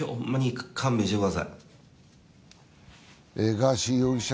ガーシー容疑者